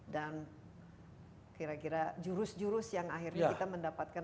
dan kira kira jurus jurus yang akhirnya kita mendapatkan